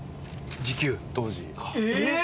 えっ！